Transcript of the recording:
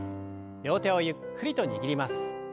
両手をゆっくりと握ります。